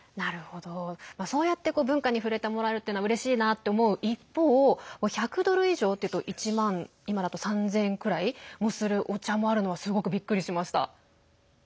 そうやって文化に触れてもらえるっていうのはうれしいなと思う一方１００ドル以上というと今だと１万３０００円くらいもするお茶もあるのはすごくびっくりしました。